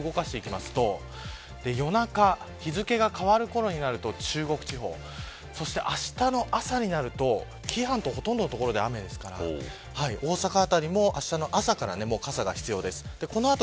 動かしていきますと夜中、日付が変わるころになると中国地方そして、あしたの朝になると紀伊半島はほとんどの所で雨ですから、大阪辺りもあしたの朝から傘が必要です。